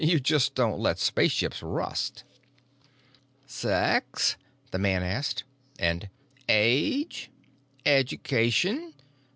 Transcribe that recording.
You just don't let spaceships rust. "Sex?" the man asked, and "Age?" "Education?"